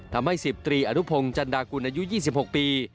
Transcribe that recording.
ทำให้๑๐ตรีอนุพงศ์จันดากุลอายุ๒๖ปี